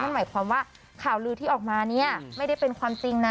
หมายความว่าข่าวลือที่ออกมาเนี่ยไม่ได้เป็นความจริงนะ